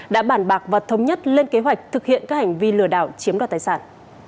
đã bản bạc và thống nhất lên kế hoạch thực hiện các hành vi lừa đảo chiếm đoạt tài sản